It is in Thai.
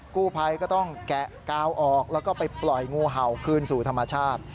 กู้ภัยก็ต้องแกะกาวออกแล้วก็ไปปล่อยงูเห่าคืนสู่ธรรมชาติ